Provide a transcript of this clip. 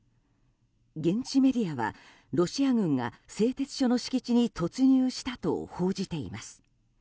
現地メディアはロシア軍が製鉄所の敷地に突入したと報じています。